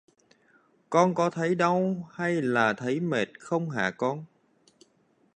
con có thấy đau hay là thấy mệt không hả con